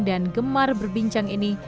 dan gemar berbincang ini